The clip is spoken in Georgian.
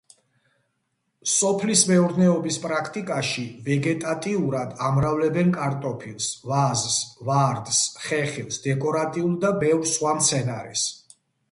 სოფლის მეურნეობის პრაქტიკაში ვეგეტატიურად ამრავლებენ კარტოფილს, ვაზს, ვარდს, ხეხილს, დეკორატიულ და ბევრ სხვა მცენარეს.